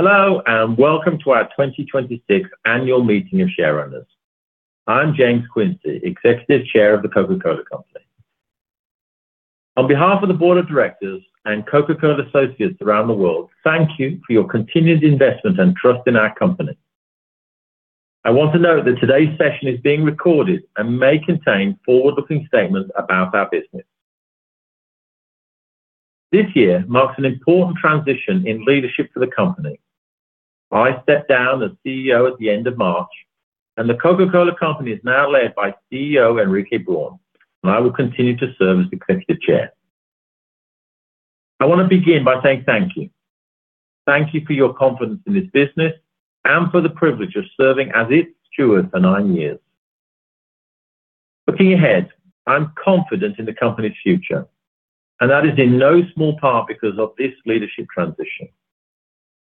Hello, and welcome to our 2026 annual meeting of shareholders. I'm James Quincey, Executive Chair of The Coca-Cola Company. On behalf of the board of directors and Coca-Cola associates around the world, thank you for your continued investment and trust in our company. I want to note that today's session is being recorded and may contain forward-looking statements about our business. This year marks an important transition in leadership for the company. I step down as CEO at the end of March. The Coca-Cola Company is now led by CEO Henrique Braun. I will continue to serve as Executive Chair. I wanna begin by saying thank you. Thank you for your confidence in this business, and for the privilege of serving as its steward for nine years. Looking ahead, I'm confident in the company's future. That is in no small part because of this leadership transition.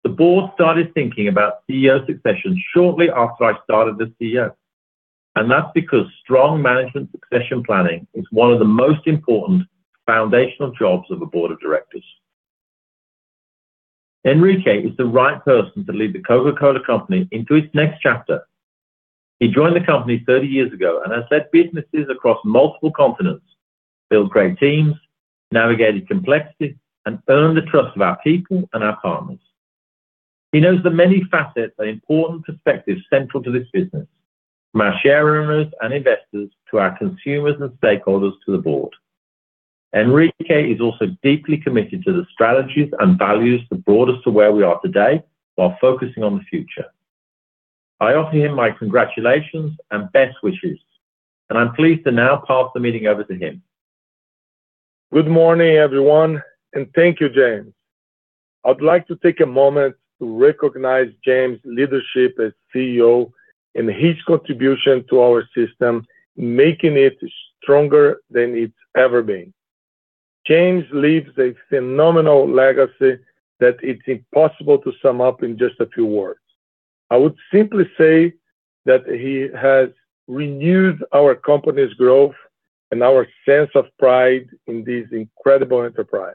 The board started thinking about CEO succession shortly after I started as CEO. That's because strong management succession planning is one of the most important foundational jobs of a board of directors. Henrique is the right person to lead The Coca-Cola Company into its next chapter. He joined the company 30 years ago and has led businesses across multiple continents, built great teams, navigated complexity, and earned the trust of our people and our partners. He knows the many facets and important perspectives central to this business, from our shareholders and investors to our consumers and stakeholders to the board. Henrique is also deeply committed to the strategies and values that brought us to where we are today while focusing on the future. I offer him my congratulations and best wishes. I'm pleased to now pass the meeting over to him. Good morning, everyone, and thank you, James. I'd like to take a moment to recognize James' leadership as CEO and his contribution to our system, making it stronger than it's ever been. James leaves a phenomenal legacy that it's impossible to sum up in just a few words. I would simply say that he has renewed our company's growth and our sense of pride in this incredible enterprise.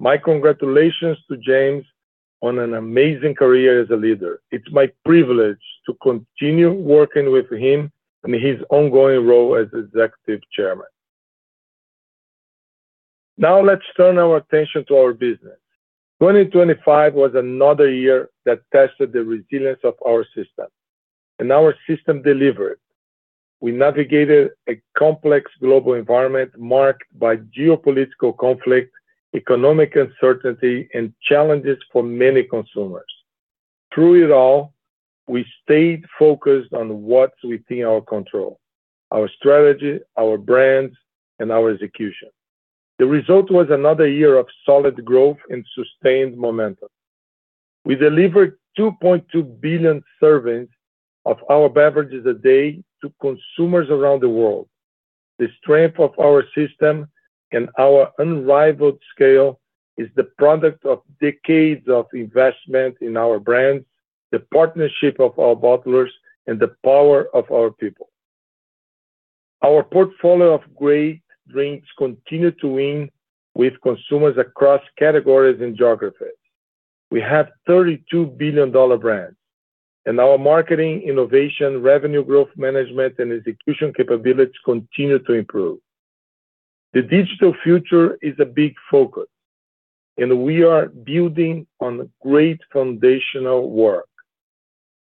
My congratulations to James on an amazing career as a leader. It's my privilege to continue working with him in his ongoing role as Executive Chairman. Now let's turn our attention to our business. 2025 was another year that tested the resilience of our system, and our system delivered. We navigated a complex global environment marked by geopolitical conflict, economic uncertainty, and challenges for many consumers. Through it all, we stayed focused on what's within our control, our strategy, our brands, and our execution. The result was another year of solid growth and sustained momentum. We delivered 2.2 billion servings of our beverages a day to consumers around the world. The strength of our system and our unrivaled scale is the product of decades of investment in our brands, the partnership of our bottlers, and the power of our people. Our portfolio of great drinks continue to win with consumers across categories and geographies. We have 32 billion-dollar brands, and our marketing, innovation, revenue growth management, and execution capabilities continue to improve. The digital future is a big focus, and we are building on great foundational work.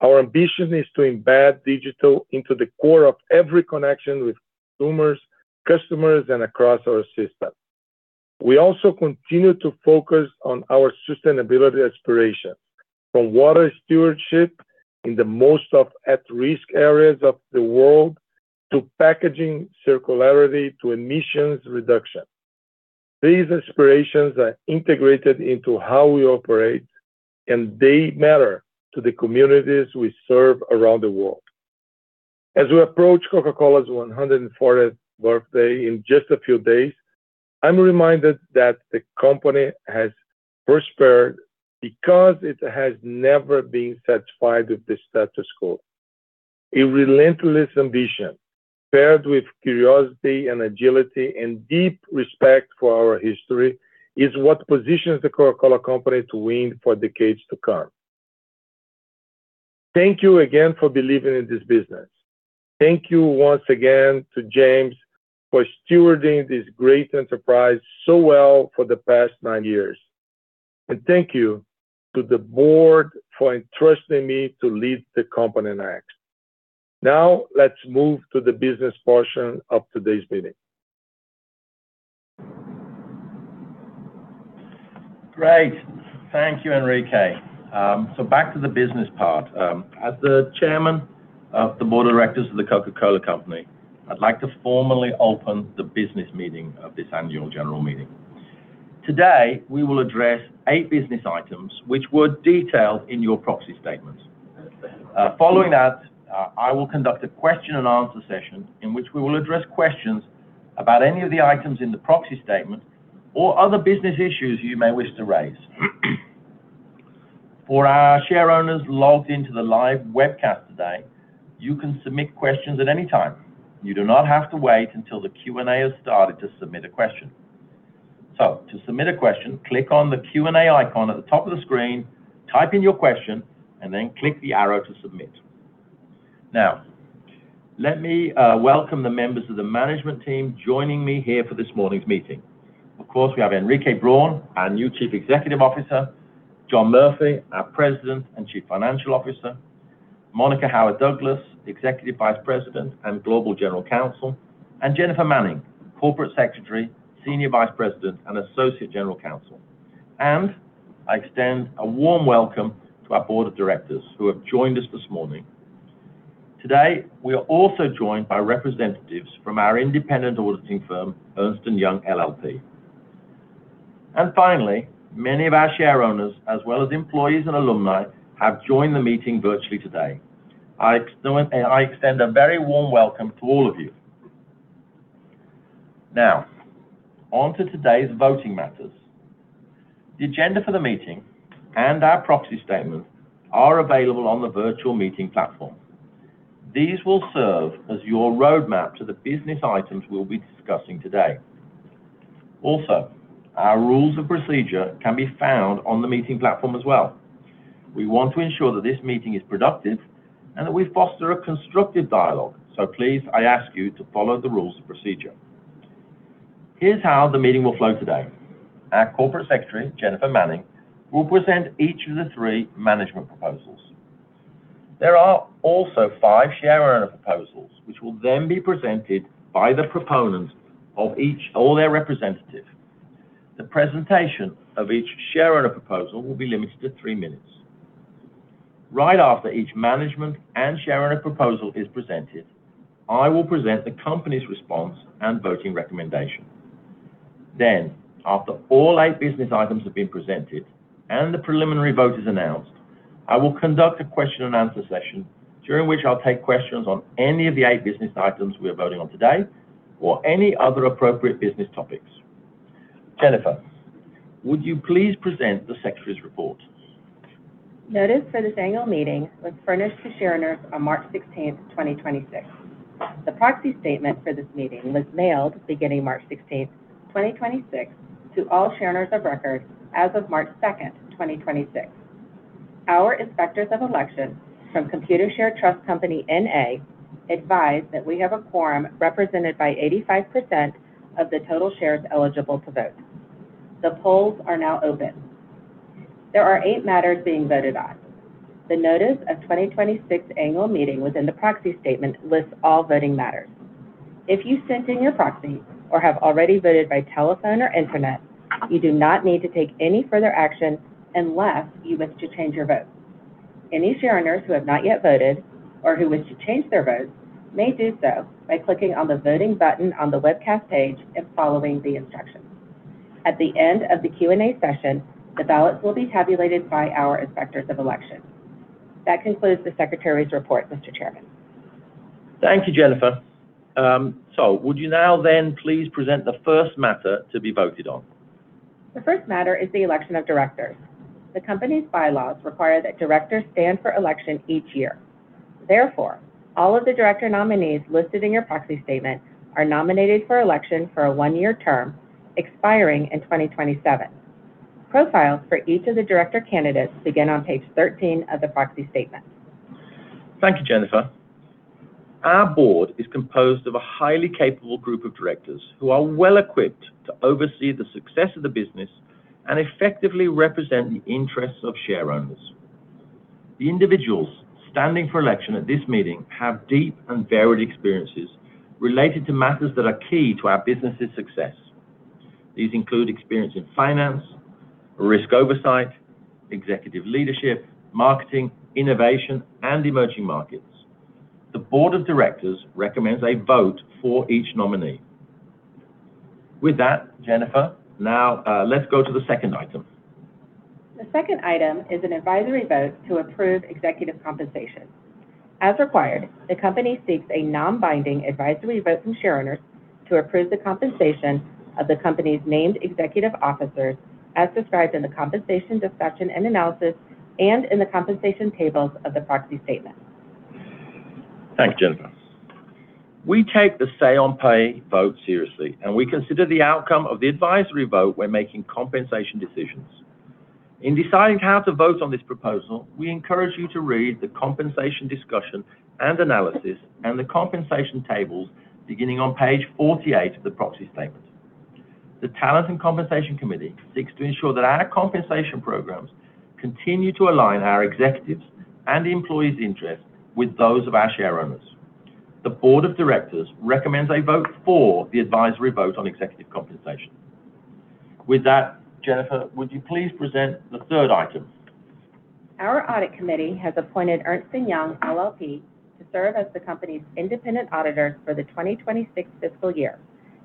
Our ambition is to embed digital into the core of every connection with consumers, customers, and across our system. We also continue to focus on our sustainability aspirations, from water stewardship in the most of at-risk areas of the world to packaging circularity to emissions reduction. These aspirations are integrated into how we operate, and they matter to the communities we serve around the world. As we approach Coca-Cola's 140th birthday in just a few days, I'm reminded that the company has prospered because it has never been satisfied with the status quo. A relentless ambition, paired with curiosity and agility and deep respect for our history, is what positions The Coca-Cola Company to win for decades to come. Thank you again for believing in this business. Thank you once again to James for stewarding this great enterprise so well for the past nine years. Thank you to the board for entrusting me to lead the company next. Now let's move to the business portion of today's meeting. Great. Thank you, Henrique. Back to the business part. As the chairman of the board of directors of The Coca-Cola Company, I'd like to formally open the business meeting of this annual general meeting. Today, we will address eight business items, which were detailed in your proxy statement. Following that, I will conduct a question and answer session in which we will address questions about any of the items in the proxy statement or other business issues you may wish to raise. For our shareholders logged into the live webcast today, you can submit questions at any time. You do not have to wait until the Q&A has started to submit a question. To submit a question, click on the Q&A icon at the top of the screen, type in your question, and then click the arrow to submit. Now, let me welcome the members of the management team joining me here for this morning's meeting. Of course, we have Henrique Braun, our new Chief Executive Officer, John Murphy, our President and Chief Financial Officer, Monica Howard Douglas, Executive Vice President and Global General Counsel, and Jennifer Manning, Corporate Secretary, Senior Vice President, and Associate General Counsel. I extend a warm welcome to our board of directors who have joined us this morning. Today, we are also joined by representatives from our independent auditing firm, Ernst & Young LLP. Finally, many of our share owners, as well as employees and alumni, have joined the meeting virtually today. I extend a very warm welcome to all of you. Now, on to today's voting matters. The agenda for the meeting and our proxy statement are available on the virtual meeting platform. These will serve as your roadmap to the business items we'll be discussing today. Also, our rules of procedure can be found on the meeting platform as well. We want to ensure that this meeting is productive and that we foster a constructive dialogue, so please, I ask you to follow the rules of procedure. Here's how the meeting will flow today. Our Corporate Secretary, Jennifer Manning, will present each of the three management proposals. There are also five shareowner proposals, which will then be presented by the proponents of each or their representative. The presentation of each shareowner proposal will be limited to three minutes. Right after each management and shareowner proposal is presented, I will present the company's response and voting recommendation. After all eight business items have been presented and the preliminary vote is announced, I will conduct a question and answer session during which I'll take questions on any of the eight business items we are voting on today or any other appropriate business topics. Jennifer, would you please present the secretary's report? Notice for this annual meeting was furnished to shareowners on March 16th, 2026. The proxy statement for this meeting was mailed beginning March 16th, 2026 to all shareowners of record as of March 2nd, 2026. Our inspectors of election from Computershare Trust Company, N.A. advise that we have a quorum represented by 85% of the total shares eligible to vote. The polls are now open. There are eight matters being voted on. The notice of 2026 annual meeting within the proxy statement lists all voting matters. If you sent in your proxy or have already voted by telephone or internet, you do not need to take any further action unless you wish to change your vote. Any shareowners who have not yet voted or who wish to change their votes may do so by clicking on the voting button on the webcast page and following the instructions. At the end of the Q&A session, the ballots will be tabulated by our inspectors of election. That concludes the secretary's report, Mr. Chairman. Thank you, Jennifer. Would you now then please present the first matter to be voted on? The first matter is the election of directors. The company's bylaws require that directors stand for election each year. Therefore, all of the director nominees listed in your proxy statement are nominated for election for a one year term expiring in 2027. Profiles for each of the director candidates begin on page 13 of the proxy statement. Thank you, Jennifer. Our board is composed of a highly capable group of directors who are well-equipped to oversee the success of the business and effectively represent the interests of shareowners. The individuals standing for election at this meeting have deep and varied experiences related to matters that are key to our business's success. These include experience in finance, risk oversight, executive leadership, marketing, innovation, and emerging markets. The board of directors recommends a vote for each nominee. With that, Jennifer, now, let's go to the second item. The second item is an advisory vote to approve executive compensation. As required, the company seeks a non-binding advisory vote from shareowners to approve the compensation of the company's named executive officers as described in the compensation discussion and analysis and in the compensation tables of the proxy statement. Thanks, Jennifer. We take the say on pay vote seriously. We consider the outcome of the advisory vote when making compensation decisions. In deciding how to vote on this proposal, we encourage you to read the compensation discussion and analysis and the compensation tables beginning on page 48 of the proxy statement. The Talent and Compensation Committee seeks to ensure that our compensation programs continue to align our executives' and employees' interests with those of our shareowners. The board of directors recommends a vote for the advisory vote on executive compensation. With that, Jennifer, would you please present the third item? Our audit committee has appointed Ernst & Young LLP to serve as the company's independent auditor for the 2026 fiscal year,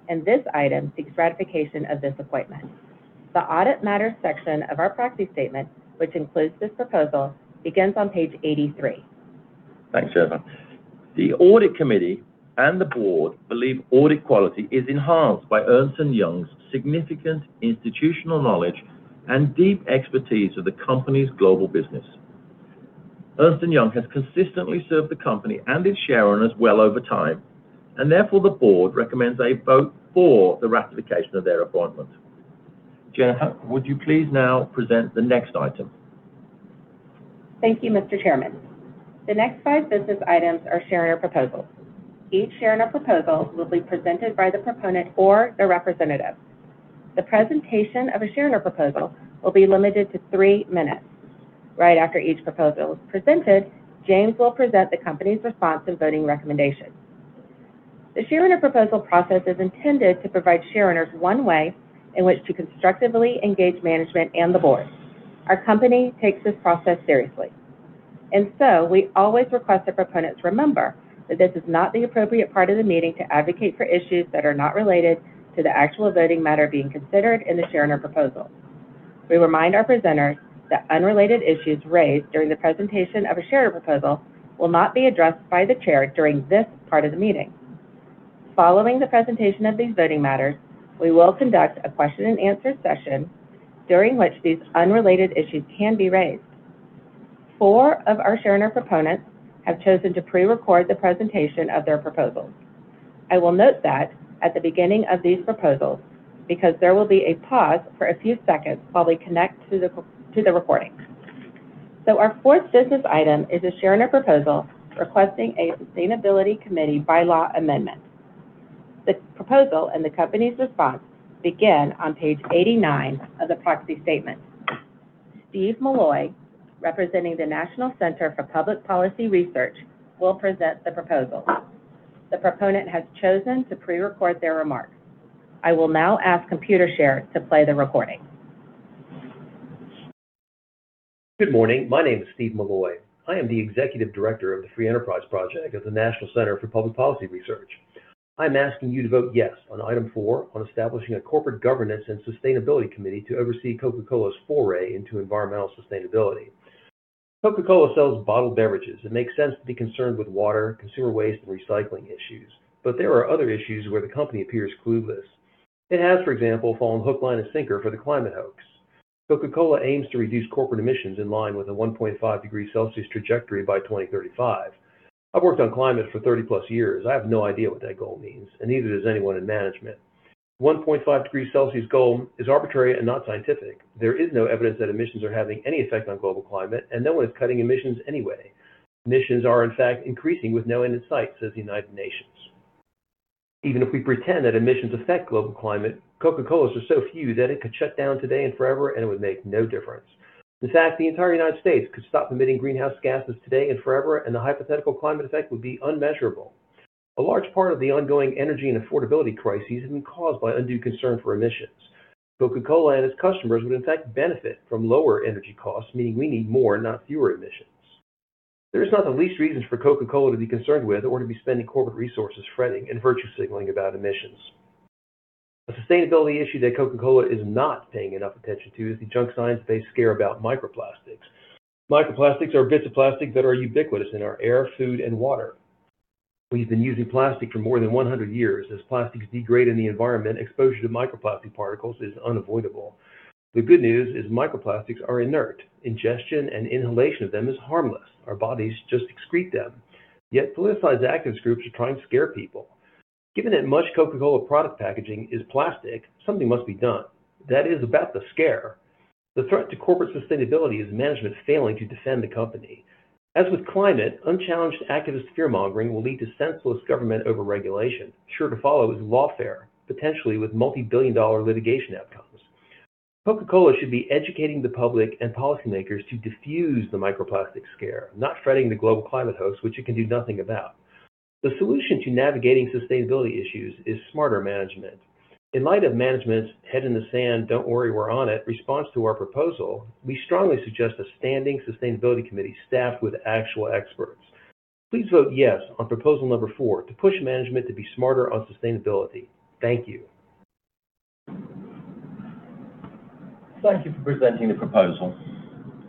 and this item seeks ratification of this appointment. The audit matters section of our proxy statement, which includes this proposal, begins on page 83. Thanks, Jennifer. The audit committee and the board believe audit quality is enhanced by Ernst & Young's significant institutional knowledge and deep expertise of the company's global business. Ernst & Young has consistently served the company and its shareowners well over time, and therefore, the board recommends a vote for the ratification of their appointment. Jennifer, would you please now present the next item? Thank you, Mr. Chairman. The next five business items are shareowner proposals. Each shareowner proposal will be presented by the proponent or their representative. The presentation of a shareowner proposal will be limited to three minutes. Right after each proposal is presented, James will present the company's response and voting recommendation. The shareowner proposal process is intended to provide shareowners one way in which to constructively engage management and the board. Our company takes this process seriously, and so we always request that proponents remember that this is not the appropriate part of the meeting to advocate for issues that are not related to the actual voting matter being considered in the shareowner proposal. We remind our presenters that unrelated issues raised during the presentation of a shareowner proposal will not be addressed by the chair during this part of the meeting. Following the presentation of these voting matters, we will conduct a question and answer session during which these unrelated issues can be raised. Four of our shareowner proponents have chosen to pre-record the presentation of their proposals. I will note that at the beginning of these proposals, because there will be a pause for a few seconds while we connect to the recording. Our fourth business item is a shareowner proposal requesting a sustainability committee bylaw amendment. The proposal and the company's response begin on page 89 of the proxy statement. Steve Milloy, representing the National Center for Public Policy Research, will present the proposal. The proponent has chosen to pre-record their remarks. I will now ask Computershare to play the recording. Good morning. My name is Steve Milloy. I am the Executive Director of the Free Enterprise Project at the National Center for Public Policy Research. I'm asking you to vote yes on item four on establishing a corporate governance and sustainability committee to oversee Coca-Cola's foray into environmental sustainability. Coca-Cola sells bottled beverages. It makes sense to be concerned with water, consumer waste, and recycling issues. There are other issues where the company appears clueless. It has, for example, fallen hook, line and sinker for the climate hoax. Coca-Cola aims to reduce corporate emissions in line with a 1.5-degree Celsius trajectory by 2035. I've worked on climate for 30+ years. I have no idea what that goal means, and neither does anyone in management. 1.5-degree Celsius goal is arbitrary and not scientific. There is no evidence that emissions are having any effect on global climate, and no one is cutting emissions anyway. Emissions are, in fact, increasing with no end in sight, says the United Nations. Even if we pretend that emissions affect global climate, Coca-Cola's are so few that it could shut down today and forever, and it would make no difference. In fact, the entire United States could stop emitting greenhouse gases today and forever, and the hypothetical climate effect would be unmeasurable. A large part of the ongoing energy and affordability crises has been caused by undue concern for emissions. Coca-Cola and its customers would in fact benefit from lower energy costs, meaning we need more, not fewer emissions. There is not the least reasons for Coca-Cola to be concerned with or to be spending corporate resources fretting and virtue signaling about emissions. A sustainability issue that The Coca-Cola Company is not paying enough attention to is the junk science-based scare about microplastics. Microplastics are bits of plastic that are ubiquitous in our air, food, and water. We've been using plastic for more than 100 years. Plastics degrade in the environment, exposure to microplastic particles is unavoidable. The good news is microplastics are inert. Ingestion and inhalation of them is harmless. Our bodies just excrete them. Politicized activist groups are trying to scare people. Given that much Coca-Cola product packaging is plastic, something must be done. That is, about the scare. The threat to corporate sustainability is management failing to defend the company. With climate, unchallenged activist fear-mongering will lead to senseless government overregulation. Sure to follow is lawfare, potentially with multi-billion dollar litigation outcomes. Coca-Cola should be educating the public and policymakers to defuse the microplastic scare, not fretting the global climate hoax, which it can do nothing about. The solution to navigating sustainability issues is smarter management. In light of management's head-in-the-sand, don't-worry, we're-on-it response to our proposal, we strongly suggest a standing sustainability committee staffed with actual experts. Please vote yes on proposal number four to push management to be smarter on sustainability. Thank you. Thank you for presenting the proposal.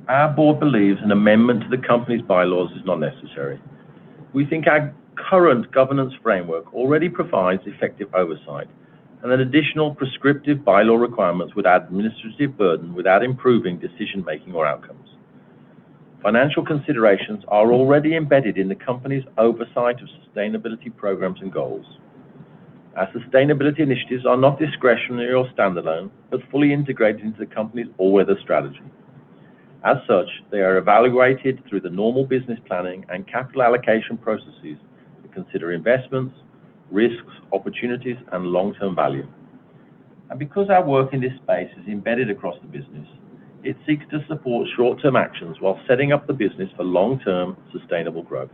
Our board believes an amendment to the company's bylaws is not necessary. We think our current governance framework already provides effective oversight, and that additional prescriptive bylaw requirements would add administrative burden without improving decision-making or outcomes. Financial considerations are already embedded in the company's oversight of sustainability programs and goals. Our sustainability initiatives are not discretionary or standalone, but fully integrated into the company's all-weather strategy. As such, they are evaluated through the normal business planning and capital allocation processes to consider investments, risks, opportunities, and long-term value. Because our work in this space is embedded across the business, it seeks to support short-term actions while setting up the business for long-term sustainable growth.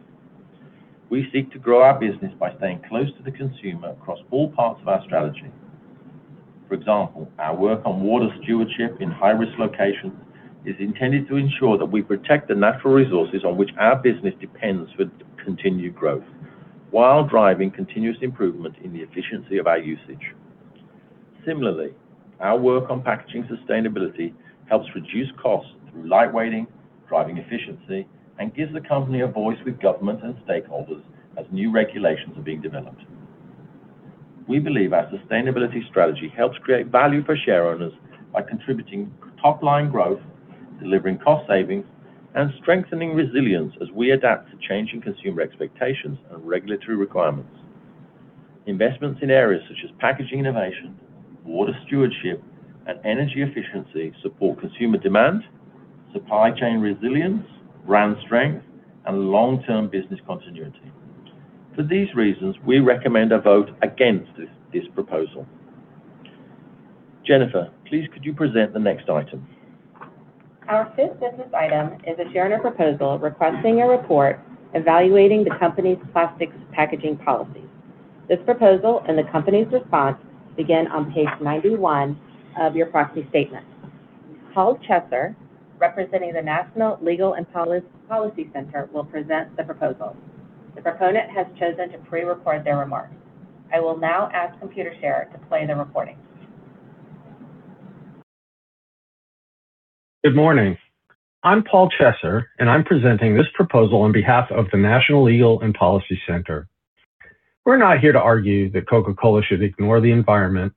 We seek to grow our business by staying close to the consumer across all parts of our strategy. For example, our work on water stewardship in high-risk locations is intended to ensure that we protect the natural resources on which our business depends for continued growth while driving continuous improvement in the efficiency of our usage. Similarly, our work on packaging sustainability helps reduce costs through lightweighting, driving efficiency, and gives The Coca-Cola Company a voice with government and stakeholders as new regulations are being developed. We believe our sustainability strategy helps create value for shareowners by contributing top-line growth, delivering cost savings, and strengthening resilience as we adapt to changing consumer expectations and regulatory requirements. Investments in areas such as packaging innovation, water stewardship, and energy efficiency support consumer demand, supply chain resilience, brand strength, and long-term business continuity. For these reasons, we recommend a vote against this proposal. Jennifer, please could you present the next item? Our fifth business item is a shareowner proposal requesting a report evaluating the company's plastics packaging policy. This proposal and the company's response begin on page 91 of your proxy statement. Paul Chesser, representing the National Legal and Policy Center, will present the proposal. The proponent has chosen to pre-record their remarks. I will now ask Computershare to play the recording. Good morning. I'm Paul Chesser, and I'm presenting this proposal on behalf of the National Legal and Policy Center. We're not here to argue that Coca-Cola should ignore the environment.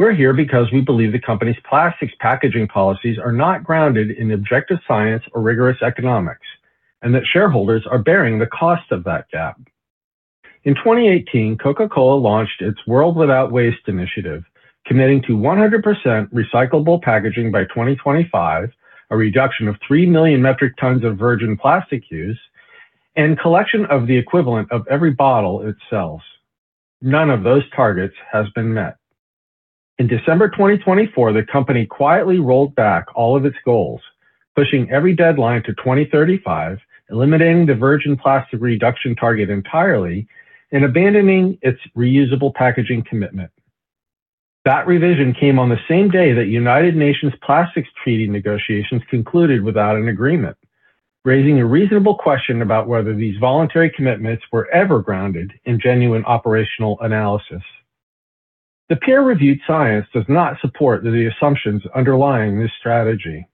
We're here because we believe the company's plastics packaging policies are not grounded in objective science or rigorous economics, and that shareholders are bearing the cost of that gap. In 2018, Coca-Cola launched its World Without Waste initiative, committing to 100% recyclable packaging by 2025, a reduction of 3 million metric tons of virgin plastic use, and collection of the equivalent of every bottle it sells. None of those targets has been met. In December 2024, the company quietly rolled back all of its goals, pushing every deadline to 2035, eliminating the virgin plastic reduction target entirely, and abandoning its reusable packaging commitment. That revision came on the same day that United Nations plastics treaty negotiations concluded without an agreement, raising a reasonable question about whether these voluntary commitments were ever grounded in genuine operational analysis. The peer-reviewed science does not support the assumptions underlying this strategy.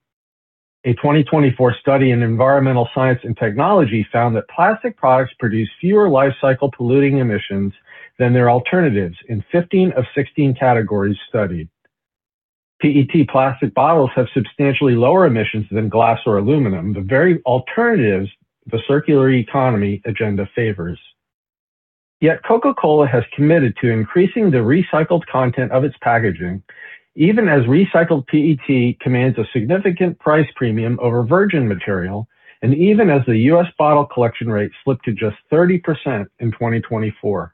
A 2024 study in Environmental Science & Technology found that plastic products produce fewer lifecycle polluting emissions than their alternatives in 15 of 16 categories studied. PET plastic bottles have substantially lower emissions than glass or aluminum, the very alternatives the circular economy agenda favors. Coca-Cola has committed to increasing the recycled content of its packaging, even as recycled PET commands a significant price premium over virgin material, and even as the U.S. bottle collection rate slipped to just 30% in 2024.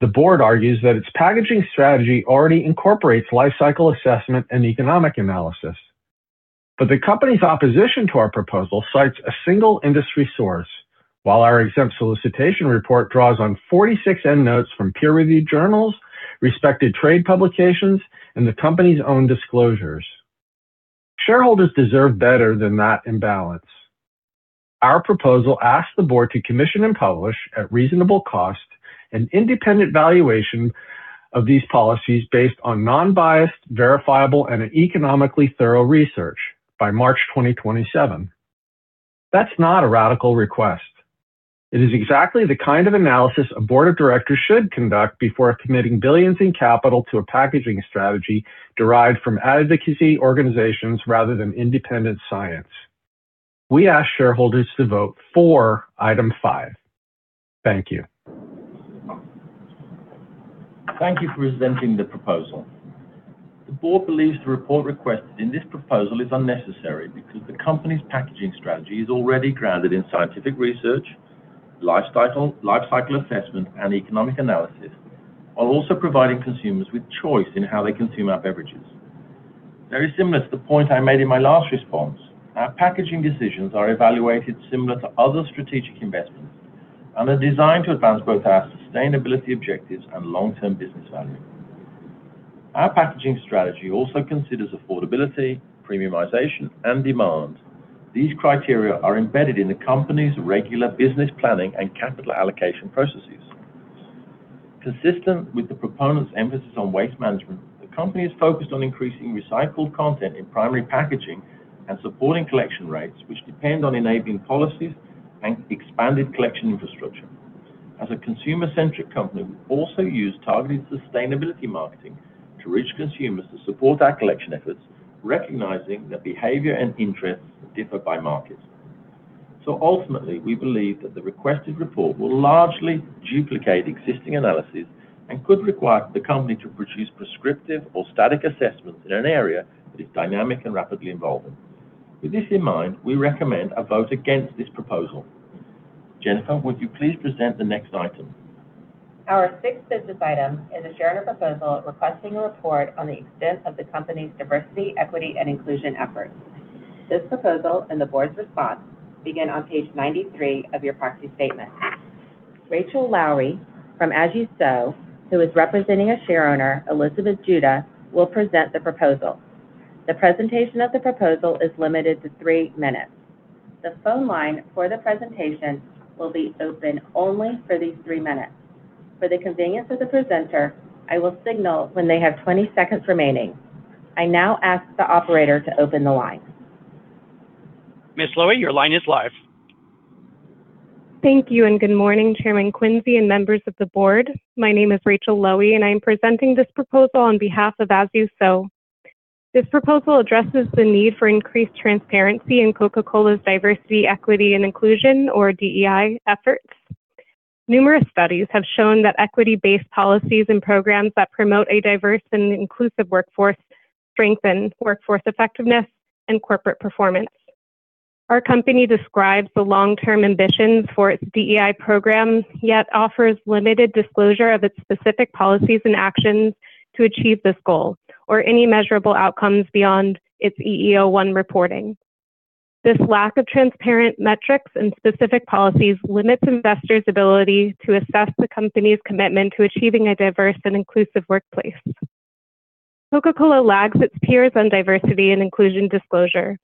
The board argues that its packaging strategy already incorporates lifecycle assessment and economic analysis. The company's opposition to our proposal cites a single industry source, while our exempt solicitation report draws on 46 endnotes from peer-reviewed journals, respected trade publications, and the company's own disclosures. Shareholders deserve better than that imbalance. Our proposal asks the board to commission and publish, at reasonable cost, an independent valuation of these policies based on non-biased, verifiable, and economically thorough research by March 2027. That's not a radical request. It is exactly the kind of analysis a board of directors should conduct before committing billions in capital to a packaging strategy derived from advocacy organizations rather than independent science. We ask shareholders to vote for item five. Thank you. Thank you for presenting the proposal. The board believes the report requested in this proposal is unnecessary because the company's packaging strategy is already grounded in scientific research, lifecycle assessment, and economic analysis, while also providing consumers with choice in how they consume our beverages. Very similar to the point I made in my last response, our packaging decisions are evaluated similar to other strategic investments and are designed to advance both our sustainability objectives and long-term business value. Our packaging strategy also considers affordability, premiumization, and demand. These criteria are embedded in the company's regular business planning and capital allocation processes. Consistent with the proponent's emphasis on waste management, the company is focused on increasing recycled content in primary packaging and supporting collection rates, which depend on enabling policies and expanded collection infrastructure. As a consumer-centric company, we also use targeted sustainability marketing to reach consumers to support our collection efforts, recognizing that behavior and interests differ by market. Ultimately, we believe that the requested report will largely duplicate existing analysis and could require the company to produce prescriptive or static assessments in an area that is dynamic and rapidly evolving. With this in mind, we recommend a vote against this proposal. Jennifer, would you please present the next item? Our sixth business item is a shareowner proposal requesting a report on the extent of the company's diversity, equity, and inclusion efforts. This proposal and the Board's response begin on page 93 of your proxy statement. Rachel Loewy from As You Sow, who is representing a shareowner, Elizabeth Judah, will present the proposal. The presentation of the proposal is limited to three minutes. The phone line for the presentation will be open only for these three minutes. For the convenience of the presenter, I will signal when they have 20 seconds remaining. I now ask the operator to open the line. Miss Loewy, your line is live. Thank you. Good morning, Chairman Quincey and members of the board. My name is Rachel Loewy, and I'm presenting this proposal on behalf of As You Sow. This proposal addresses the need for increased transparency in Coca-Cola's diversity, equity, and inclusion or DEI efforts. Numerous studies have shown that equity-based policies and programs that promote a diverse and inclusive workforce strengthen workforce effectiveness and corporate performance. Our company describes the long-term ambitions for its DEI program, yet offers limited disclosure of its specific policies and actions to achieve this goal or any measurable outcomes beyond its EEO-1 reporting. This lack of transparent metrics and specific policies limits investors' ability to assess the company's commitment to achieving a diverse and inclusive workplace. Coca-Cola lags its peers on diversity and inclusion disclosure.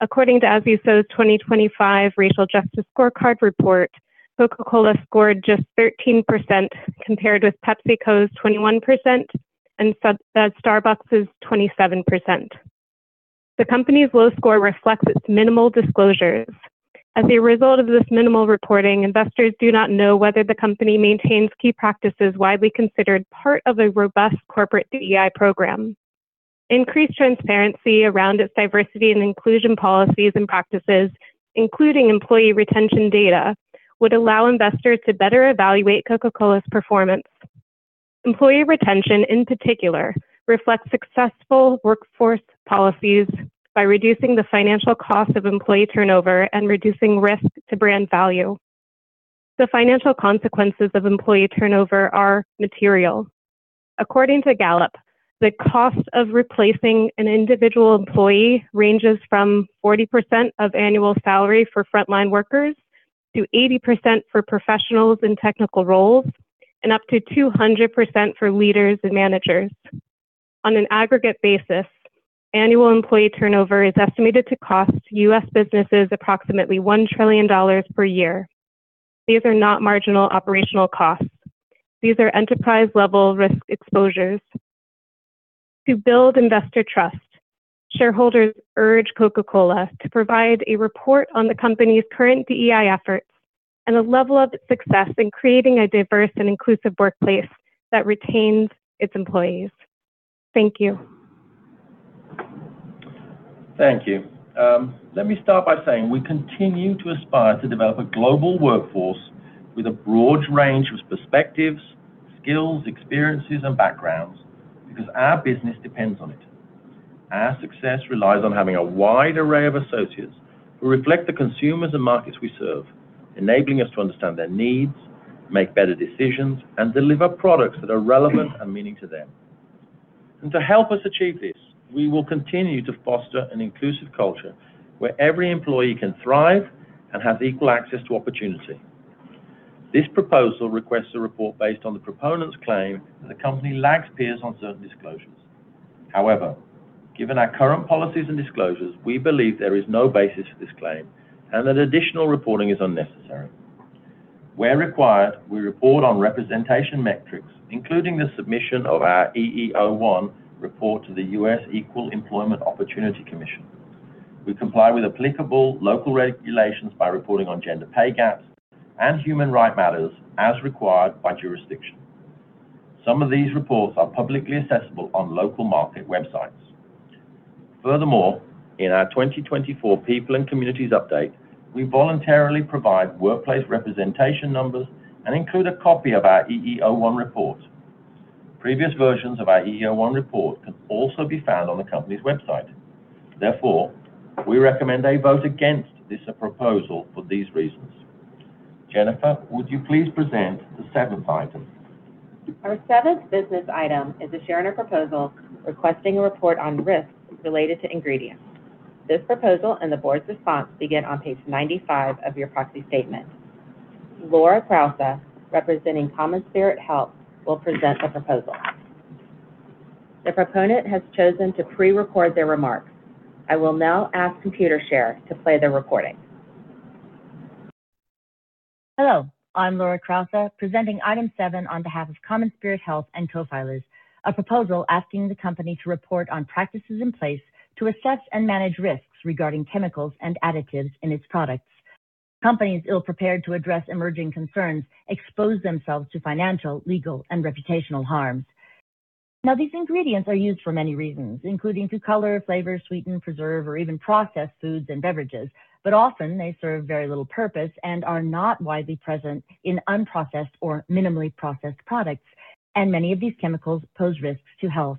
According to As You Sow's 2025 Racial Justice Scorecard report, Coca-Cola scored just 13% compared with PepsiCo's 21% and Starbucks's 27%. The company's low score reflects its minimal disclosures. As a result of this minimal reporting, investors do not know whether the company maintains key practices widely considered part of a robust corporate DEI program. Increased transparency around its diversity and inclusion policies and practices, including employee retention data, would allow investors to better evaluate Coca-Cola's performance. Employee retention, in particular, reflects successful workforce policies by reducing the financial cost of employee turnover and reducing risk to brand value. The financial consequences of employee turnover are material. According to Gallup, the cost of replacing an individual employee ranges from 40% of annual salary for frontline workers to 80% for professionals in technical roles and up to 200% for leaders and managers. On an aggregate basis, annual employee turnover is estimated to cost U.S. businesses approximately $1 trillion per year. These are not marginal operational costs. These are enterprise-level risk exposures. To build investor trust, shareholders urge Coca-Cola to provide a report on the company's current DEI efforts and the level of success in creating a diverse and inclusive workplace that retains its employees. Thank you. Thank you. Let me start by saying we continue to aspire to develop a global workforce with a broad range of perspectives, skills, experiences, and backgrounds because our business depends on it. Our success relies on having a wide array of associates who reflect the consumers and markets we serve, enabling us to understand their needs, make better decisions, and deliver products that are relevant and meaning to them. To help us achieve this, we will continue to foster an inclusive culture where every employee can thrive and have equal access to opportunity. This proposal requests a report based on the proponent's claim that the company lags peers on certain disclosures. Given our current policies and disclosures, we believe there is no basis for this claim and that additional reporting is unnecessary. Where required, we report on representation metrics, including the submission of our EEO-1 report to the U.S. Equal Employment Opportunity Commission. We comply with applicable local regulations by reporting on gender pay gaps and human right matters as required by jurisdiction. Some of these reports are publicly accessible on local market websites. Furthermore, in our 2024 People and Communities update, we voluntarily provide workplace representation numbers and include a copy of our EEO-1 report. Previous versions of our EEO-1 report can also be found on the company's website. Therefore, we recommend a vote against this proposal for these reasons. Jennifer, would you please present the seventh item? Our seventh business item is a shareholder proposal requesting a report on risks related to ingredients. This proposal and the board's response begin on page 95 of your proxy statement. Laura Krause, representing CommonSpirit Health, will present the proposal. The proponent has chosen to pre-record their remarks. I will now ask Computershare to play the recording. Hello, I'm Laura Krause, presenting item seven on behalf of CommonSpirit Health and co-filers, a proposal asking the company to report on practices in place to assess and manage risks regarding chemicals and additives in its products. Companies ill-prepared to address emerging concerns expose themselves to financial, legal, and reputational harms. Now, these ingredients are used for many reasons, including to color, flavor, sweeten, preserve, or even process foods and beverages. Often, they serve very little purpose and are not widely present in unprocessed or minimally processed products. Many of these chemicals pose risks to health.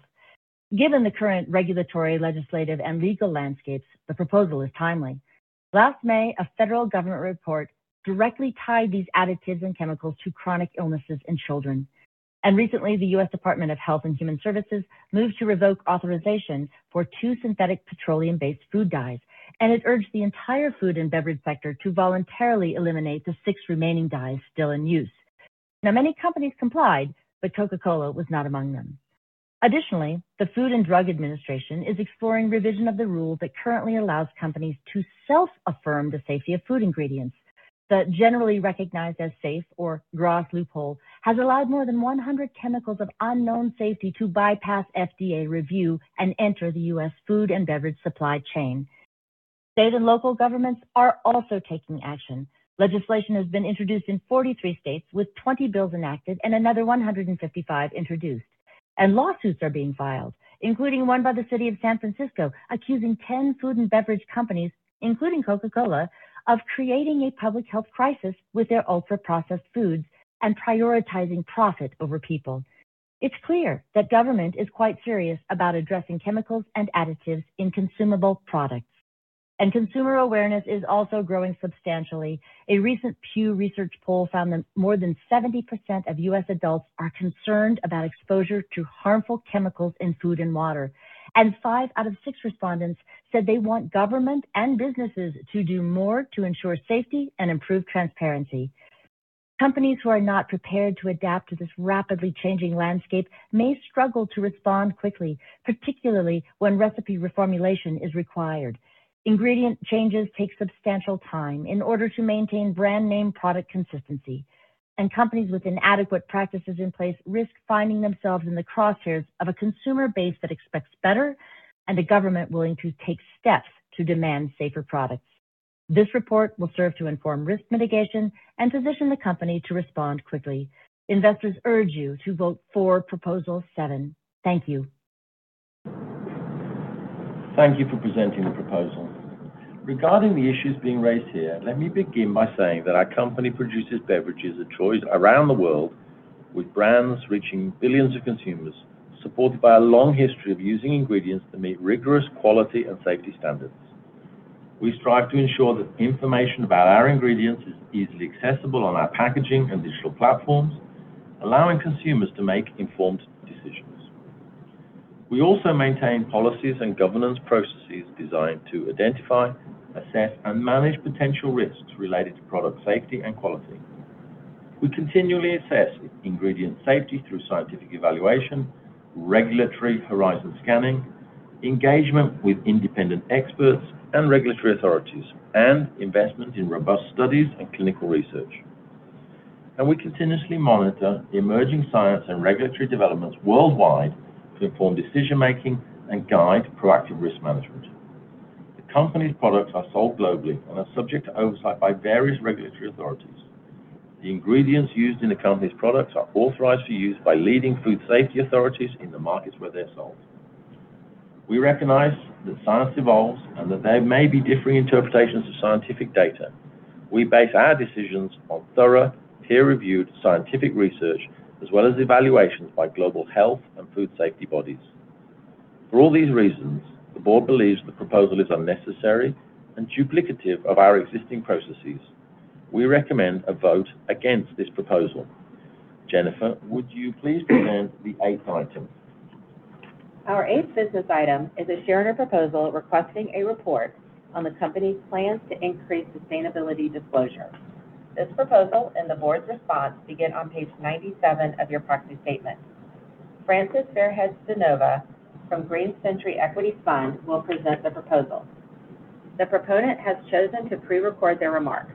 Given the current regulatory, legislative, and legal landscapes, the proposal is timely. Last May, a federal government report directly tied these additives and chemicals to chronic illnesses in children. Recently, the U.S. Department of Health and Human Services moved to revoke authorization for two synthetic petroleum-based food dyes, and it urged the entire food and beverage sector to voluntarily eliminate the six remaining dyes still in use. Many companies complied, but Coca-Cola was not among them. Additionally, the Food and Drug Administration is exploring revision of the rule that currently allows companies to self-affirm the safety of food ingredients. The generally recognized as safe or GRAS loophole has allowed more than 100 chemicals of unknown safety to bypass FDA review and enter the U.S. food and beverage supply chain. State and local governments are also taking action. Legislation has been introduced in 43 states, with 20 bills enacted and another 155 introduced. Lawsuits are being filed, including one by the City of San Francisco, accusing 10 food and beverage companies, including Coca-Cola, of creating a public health crisis with their ultra-processed foods and prioritizing profit over people. It's clear that government is quite serious about addressing chemicals and additives in consumable products. Consumer awareness is also growing substantially. A recent Pew Research poll found that more than 70% of U.S. adults are concerned about exposure to harmful chemicals in food and water. Five out of six respondents said they want government and businesses to do more to ensure safety and improve transparency. Companies who are not prepared to adapt to this rapidly changing landscape may struggle to respond quickly, particularly when recipe reformulation is required. Ingredient changes take substantial time in order to maintain brand name product consistency, and companies with inadequate practices in place risk finding themselves in the crosshairs of a consumer base that expects better and a government willing to take steps to demand safer products. This report will serve to inform risk mitigation and position the company to respond quickly. Investors urge you to vote for proposal seven. Thank you. Thank you for presenting the proposal. Regarding the issues being raised here, let me begin by saying that our company produces beverages of choice around the world with brands reaching billions of consumers, supported by a long history of using ingredients that meet rigorous quality and safety standards. We strive to ensure that information about our ingredients is easily accessible on our packaging and digital platforms, allowing consumers to make informed decisions. We also maintain policies and governance processes designed to identify, assess, and manage potential risks related to product safety and quality. We continually assess ingredient safety through scientific evaluation, regulatory horizon scanning, engagement with independent experts and regulatory authorities, and investment in robust studies and clinical research. We continuously monitor emerging science and regulatory developments worldwide to inform decision-making and guide proactive risk management. The company's products are sold globally and are subject to oversight by various regulatory authorities. The ingredients used in the company's products are authorized for use by leading food safety authorities in the markets where they're sold. We recognize that science evolves and that there may be differing interpretations of scientific data. We base our decisions on thorough, peer-reviewed scientific research, as well as evaluations by global health and food safety bodies. For all these reasons, the board believes the proposal is unnecessary and duplicative of our existing processes. We recommend a vote against this proposal. Jennifer, would you please present the eighth item? Our eighth business item is a shareowner proposal requesting a report on the company's plans to increase sustainability disclosure. This proposal and the board's response begin on page 97 of your proxy statement. Frances Fairhead-Stanova from Green Century Equity Fund will present the proposal. The proponent has chosen to pre-record their remarks.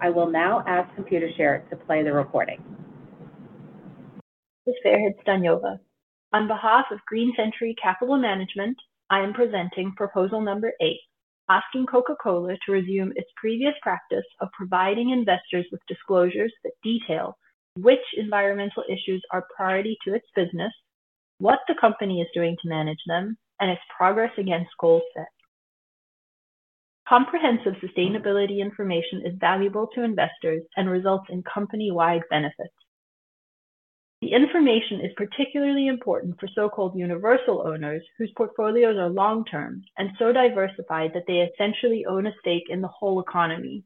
I will now ask Computershare to play the recording. Frances Fairhead-Stanova. On behalf of Green Century Capital Management, I am presenting proposal number eight, asking Coca-Cola to resume its previous practice of providing investors with disclosures that detail which environmental issues are priority to its business, what the company is doing to manage them, and its progress against goals set. Comprehensive sustainability information is valuable to investors and results in company-wide benefits. The information is particularly important for so-called universal owners, whose portfolios are long-term and so diversified that they essentially own a stake in the whole economy.